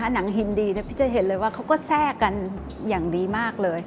หนังฮินดีพี่จะเห็นเลยว่าเขาก็แทรกกันอย่างดีมากเลย